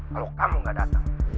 kalau kamu gak datang